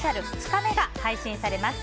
２日目が配信されます。